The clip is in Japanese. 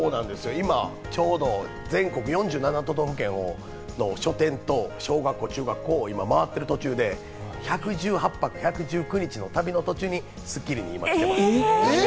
今ちょうど全国４７都道府県の書店と小学校、中学校を今、回ってる途中で、１１８泊１１９日の途中に今『スッキリ』に来てます。